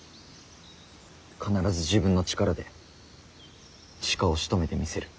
必ず自分の力で鹿をしとめてみせる。